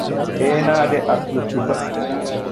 އޭނާގެ އަސްލު ސިފަ